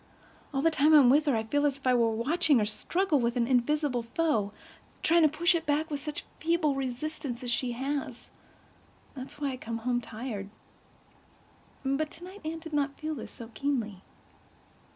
All the time I'm with her I feel as if I were watching her struggle with an invisible foe—trying to push it back with such feeble resistance as she has. That is why I come home tired." But tonight Anne did not feel this so keenly.